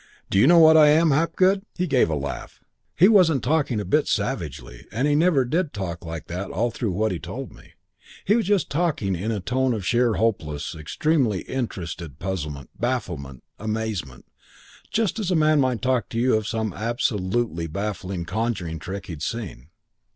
Do you know what I am, Hapgood ?' "He gave a laugh. He wasn't talking a bit savagely, and he never did talk like that all through what he told me. He was just talking in a tone of sheer, hopeless, extremely interested puzzlement bafflement amazement; just as a man might talk to you of some absolutely baffling conjuring trick he'd seen.